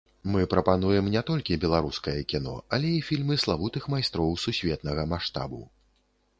Мы прапануем не толькі беларускае кіно, але і фільмы славутых майстроў сусветнага маштабу.